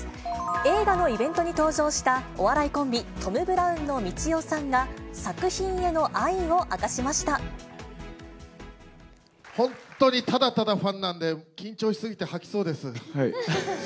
映画のイベントに登場した、お笑いコンビ、トム・ブラウンのみちおさんが、本当にただただファンなんで、緊張し過ぎて吐きそうです。